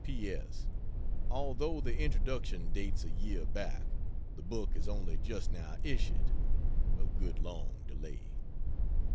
P. S. Although the introduction dates a year back, the book is only just now issued. A good long delay.